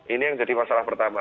ini yang jadi masalah pertama